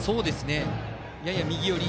やや右寄り。